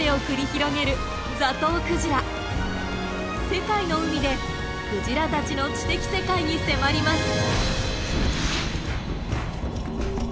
世界の海でクジラたちの知的世界に迫ります。